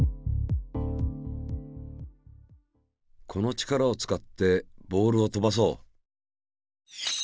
この力を使ってボールを飛ばそう。